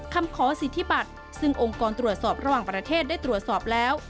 คำขอสิทธิบัตรซึ่งองค์กรตรวจสอบระหว่างประเทศได้ตรวจสอบแล้ว